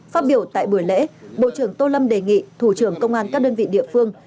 phát biểu tại buổi lễ bộ trưởng tô lâm đề nghị thủ trưởng công an các đơn vị địa phương